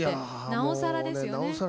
なおさらですよね。